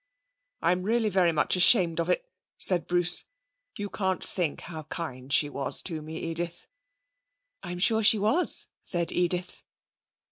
'I'm really very much ashamed of it,' said Bruce. 'You can't think how kind she was to me, Edith.' 'I'm sure she was,' said Edith.